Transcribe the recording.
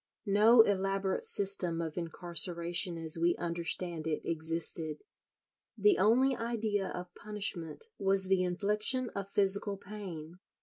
No elaborate system of incarceration as we understand it existed. The only idea of punishment was the infliction of physical pain.